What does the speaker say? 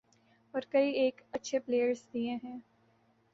اور کئی ایک اچھے پلئیرز دیے ہیں۔